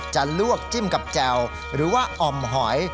ลวกจิ้มกับแจ่วหรือว่าอ่อมหอย